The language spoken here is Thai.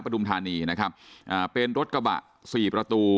ทุมธานีนะครับอ่าเป็นรถกระบะสี่ประตู